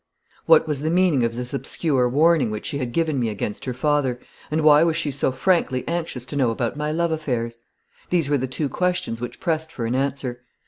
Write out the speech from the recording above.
What was the meaning of this obscure warning which she had given me against her father, and why was she so frankly anxious to know about my love affairs? These were the two questions which pressed for an answer.